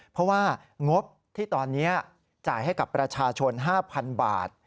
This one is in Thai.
เพราะว่างบที่ตอนนี้จ่ายให้กับประชาชน๕๐๐๐บาท